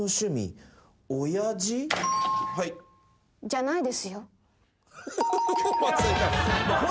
じゃないですよ。